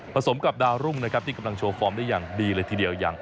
สมกับดาวรุ่งนะครับที่กำลังโชว์ฟอร์มได้อย่างดีเลยทีเดียวอย่าง